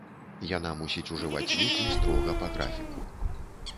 Яна мусіць ужываць лекі строга па графіку.